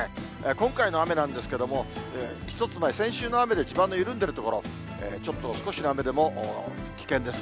今回の雨なんですけれども、１つ前、先週の雨で地盤の緩んでいる所、ちょっと少しの雨でも危険です。